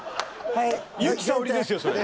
由紀さおりですよそれ。